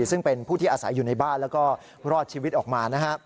ซึ่งเป็นผู้ที่อาศัยอยู่ในบ้านแล้วก็รอดชีวิตออกมา